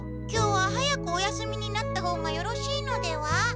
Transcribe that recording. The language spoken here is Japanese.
今日は早くお休みになった方がよろしいのでは？